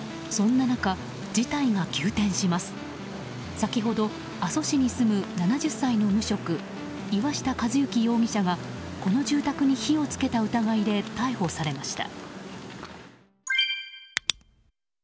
先ほど阿蘇市に住む７０歳の無職岩下一行容疑者がこの住宅に火を付けた疑いで逮捕されました。